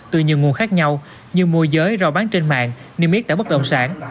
từ nhiều nguồn khác nhau như mua giới rau bán trên mạng niêm yết tả bất động sản